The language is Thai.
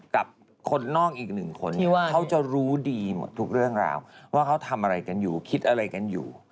กับคนนอกอีกหนึ่งคนเขาจะรู้ดีหมดทุกเรื่องราวว่าเขาทำอะไรกันอยู่คิดอะไรกันอยู่